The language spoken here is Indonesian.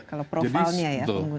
kalau profilnya ya